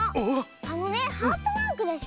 あのねハートマークでしょ。